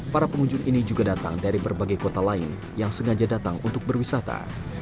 para pengunjung ini juga datang dari berbagai kota lain yang sengaja datang untuk berwisata